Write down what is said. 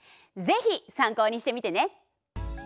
ぜひ参考にしてみてね。